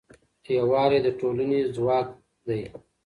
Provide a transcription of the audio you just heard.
یووالی د ټولنې ځواک دی.